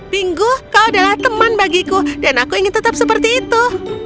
pinggu kau adalah teman bagiku dan aku ingin tetap seperti itu